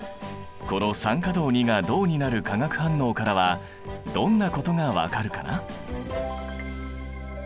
この酸化銅が銅になる化学反応からはどんなことが分かるかな？